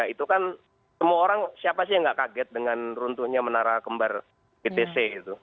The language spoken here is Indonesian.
itu kan semua orang siapa sih yang gak kaget dengan runtuhnya menara kembar btc itu